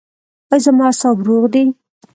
ایا زما اعصاب روغ دي؟